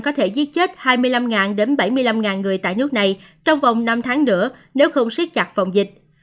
có thể giết chết hai mươi năm đến bảy mươi năm người tại nước này trong vòng năm tháng nữa nếu không siết chặt phòng dịch